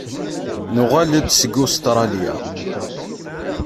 Nuɣal-d seg Ustṛalya.